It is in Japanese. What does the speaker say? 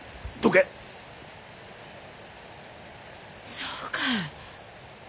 そうかい。